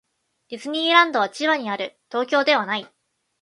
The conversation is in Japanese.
ディズニーランドは千葉にある。東京ではない。